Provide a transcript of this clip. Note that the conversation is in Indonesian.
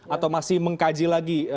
atau masih mengkaji lagi